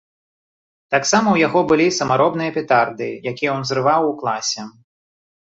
Таксама ў яго былі самаробныя петарды, якія ён узрываў у класе.